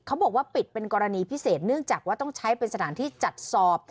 เขาบอกว่าปิดเป็นกรณีพิเศษเนื่องจากว่าต้องใช้เป็นสถานที่จัดสอบ